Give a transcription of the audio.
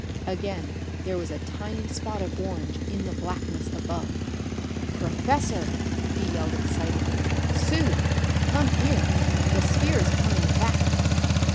Again there was a tiny spot of orange in the blackness above! "Professor!" he yelled excitedly. "Sue! Come here! The sphere's coming back!"